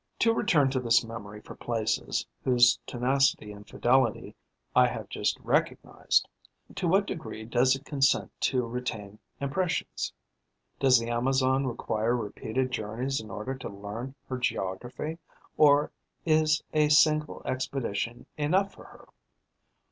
To return to this memory for places whose tenacity and fidelity I have just recognized: to what degree does it consent to retain impressions? Does the Amazon require repeated journeys in order to learn her geography, or is a single expedition enough for her?